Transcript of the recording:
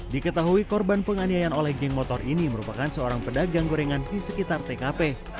diketahui korban penganiayaan oleh geng motor ini merupakan seorang pedagang gorengan di sekitar tkp